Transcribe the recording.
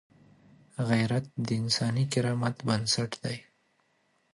غیرت د انساني کرامت بنسټ دی